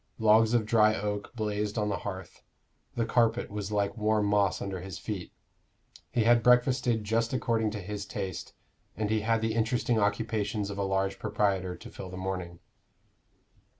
Logs of dry oak blazed on the hearth; the carpet was like warm moss under his feet; he had breakfasted just according to his taste, and he had the interesting occupations of a large proprietor to fill the morning.